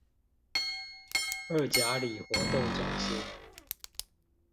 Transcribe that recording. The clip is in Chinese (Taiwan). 二甲里活動中心